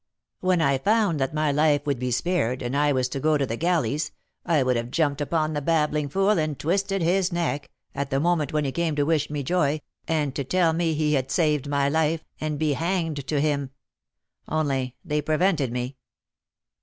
When I found that my life would be spared, and I was to go to the galleys, I would have jumped upon the babbling fool, and twisted his neck, at the moment when he came to wish me joy, and to tell me he had saved my life, and be hanged to him! only they prevented me."